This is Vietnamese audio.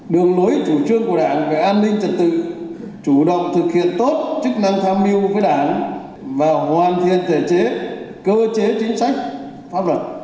đường lối chủ trương của đảng về an ninh trật tự chủ động thực hiện tốt chức năng tham mưu với đảng và hoàn thiện thể chế cơ chế chính sách pháp luật